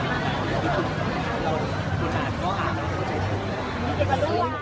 และก็หลังจากนั้นก็อ่านว่ามันจึงเจง